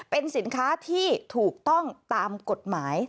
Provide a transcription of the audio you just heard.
เป็นสินค้าที่ถูกต้องตามกฎหมาย